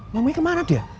ngomongnya kemana dia